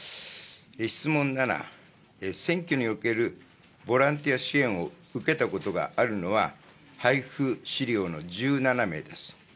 質問７、選挙におけるボランティア支援を受けたことがあるのは、配布資料の１７名です。